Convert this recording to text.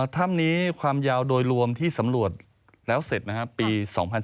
ถ้ำนี้ความยาวโดยรวมที่สำรวจแล้วเสร็จนะครับปี๒๕๕๙